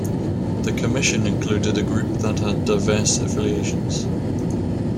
The commission included a group that had diverse affiliations.